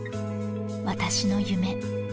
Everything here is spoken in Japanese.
私の夢